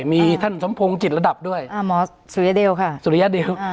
มีท่านสมโพงจิตระดับด้วยอ่าหมอสุริยะเดวค่ะสุริยะเดวอ่า